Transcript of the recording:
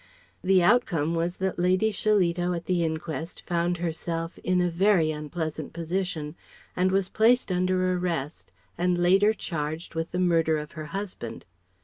The outcome was that Lady Shillito at the inquest found herself "in a very unpleasant position" and was placed under arrest, and later charged with the murder of her husband.